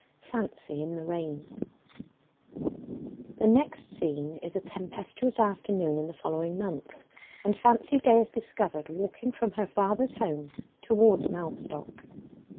FANCY IN THE RAIN The next scene is a tempestuous afternoon in the following month, and Fancy Day is discovered walking from her father's home towards Mellstock.